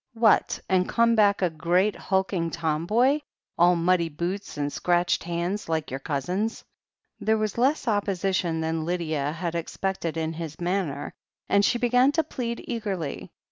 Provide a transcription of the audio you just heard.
"What, and come back a great hulking tomboy, all muddy boots, and scratched hands like your cousins?" There was less opposition than Lydia had expected in his manner, and she began to plead eagerly.